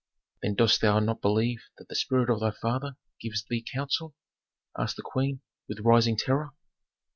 "Then dost thou not believe that the spirit of thy father gives thee counsel?" asked the queen, with rising terror.